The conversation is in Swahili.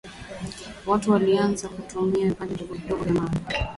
watu walianza kutumia vipande vidogo vya mawe